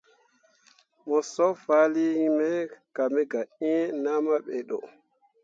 Mo sob fahlii nyi me ka me ga eẽ nahma be ɗə.